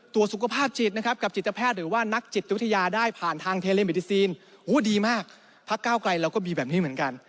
ตรวจสุขภาพจิตนะครับกับจิตแพทย์หรือว่านักจิตวิทยาได้ผ่านทางเทเลเมดิซีนดีมากพักเก้าไกลเราก็มีแบบนี้เหมือนกัน